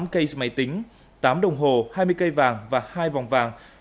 tám case máy tính tám đồng hồ hai mươi cây vàng và hai vòng vàng